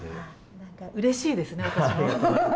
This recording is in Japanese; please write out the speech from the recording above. なんかうれしいですね。